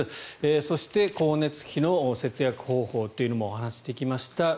そして光熱費の節約方法というのもお話してきました。